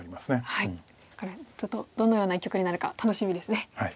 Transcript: ちょっとどのような一局になるか楽しみですね。